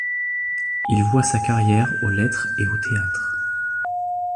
Il voua sa carrière aux lettres et au théâtre.